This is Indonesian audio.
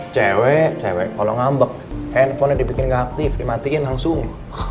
cewek cewek kalau ngambek handphonenya dibikin nggak aktif dimatiin langsung